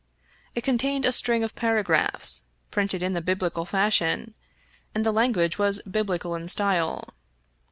It contained a string of paragraphs printed in the biblical fashion, and the language was biblical in style.